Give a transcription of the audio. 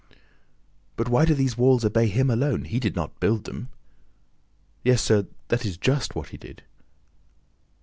'" "But why do these walls obey him alone? He did not build them!" "Yes, sir, that is just what he did!"